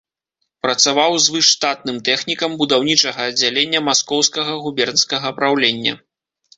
Працаваў звышштатным тэхнікам будаўнічага аддзялення маскоўскага губернскага праўлення.